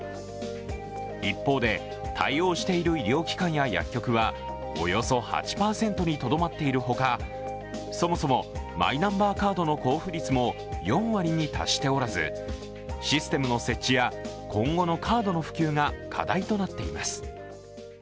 一方で、対応している医療機関や薬局はおよそ８％にとどまっているほかそもそもマイナンバーカードの交付率も４割に達しておらずシステムの設置や今後のカードの普及が課題となっています。